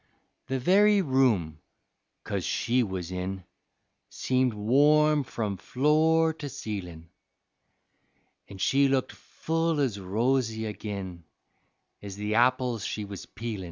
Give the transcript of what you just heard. The very room, coz she was in, Seemed warm from floor to ceilin', An' she looked full ez rosy agin Ez the apples she was peelin'.